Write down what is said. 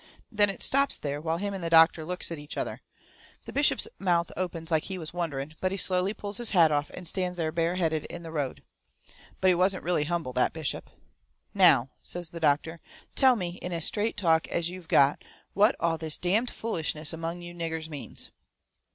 Then it stops there, while him and the doctor looks at each other. The bishop's mouth opens like he was wondering, but he slowly pulls his hat off and stands there bare headed in the road. But he wasn't really humble, that bishop. "Now," says the doctor, "tell me in as straight talk as you've got what all this damned foolishness among you niggers means."